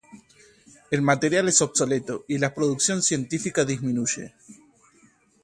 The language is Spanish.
El material es obsoleto y las producción científica disminuye.